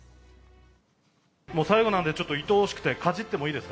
もう最後なんで、ちょっといとおしくて、かじってもいいですか。